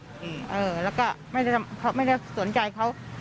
อืมพอไม่ได้งั้มาเหลื่อสนใจเค้า